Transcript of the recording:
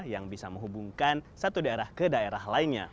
yang bisa menghubungkan satu daerah ke daerah lainnya